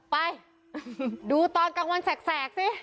ไปดูตอนกลางวันแสกสิ